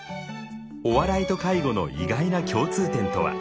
お笑いと介護の意外な共通点とは？